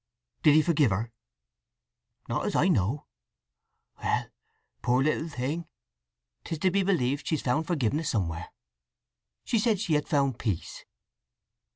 "Did he forgive her?" "Not as I know." "Well—poor little thing, 'tis to be believed she's found forgiveness somewhere! She said she had found peace!